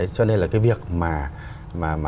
cho nên là cái việc mà